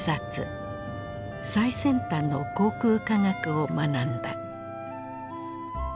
最先端の航空科学を学んだ。